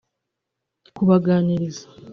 kubaganiriza